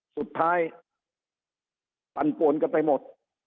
สุดท้ายปั่นปวนกันไปหมด